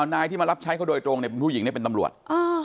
นายที่มารับใช้เขาโดยตรงผู้หญิงเป็นตำรวจ